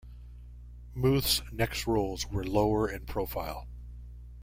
Muth's next roles were lower in profile.